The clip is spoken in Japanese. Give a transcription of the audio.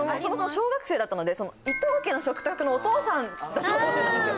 小学生だったので「伊東家の食卓」のお父さんだと思ってたんですよ